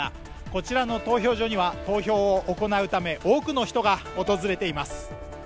こちらの投票所には投票を行うため、多くの人が訪れています。